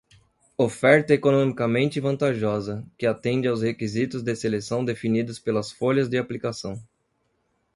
Oferta economicamente vantajosa, que atende aos requisitos de seleção definidos pelas folhas de aplicação.